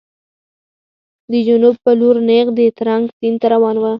د جنوب په لور نېغ د ترنک سیند ته روان و.